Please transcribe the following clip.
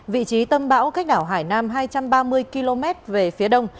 vị trí tâm bão cách đảo hải nam hai trăm ba mươi km về phía đông